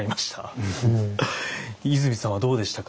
伊住さんはどうでしたか？